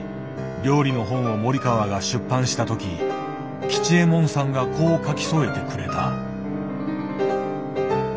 料理の本を森川が出版した時吉右衛門さんがこう書き添えてくれた。